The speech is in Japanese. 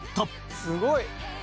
「すごい！」